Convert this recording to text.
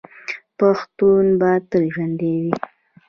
پښتون به تل ژوندی وي.